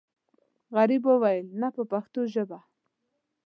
غریب وویل نه په پښتو ژبه.